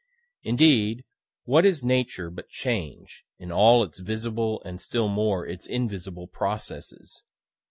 Indeed, what is Nature but change, in all its visible, and still more its invisible processes?